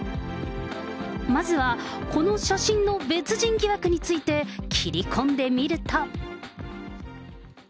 まずはこの写真の別人疑惑について、切り込んでみると。